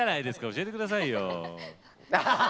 教えて下さいよ。